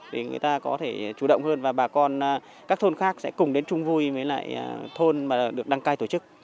để người ta có thể chủ động hơn và bà con các thôn khác sẽ cùng đến chung vui với lại thôn mà được đăng cai tổ chức